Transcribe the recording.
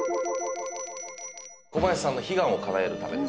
小林さんの悲願をかなえるためにですね